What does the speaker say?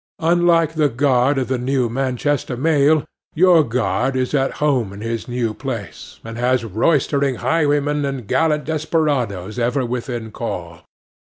Unlike the guard of the new Manchester mail, your guard is at home in his new place, and has roystering highwaymen and gallant desperadoes ever within call.